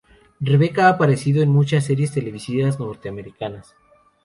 Rebecca ha aparecido en muchas series televisivas norteamericanas.